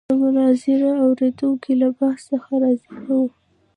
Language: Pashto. د مناظرې اورېدونکي له بحث څخه راضي نه وو.